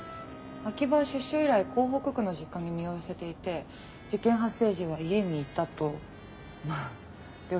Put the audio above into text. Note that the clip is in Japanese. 秋葉は出所以来港北区の実家に身を寄せていて事件発生時は家にいたとまあ両親は証言してますけど。